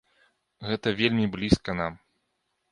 Гэта вельмі блізка нам.